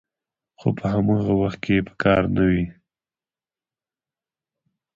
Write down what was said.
خو په هماغه وخت کې یې په کار نه وي